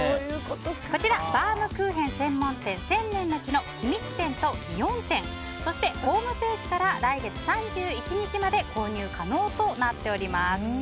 こちら、バウムクーヘン専門店せんねんの木の君津店と祇園店そして、ホームページから来月３１日まで購入可能となっております。